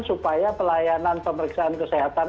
supaya pelayanan pemeriksaan kesehatan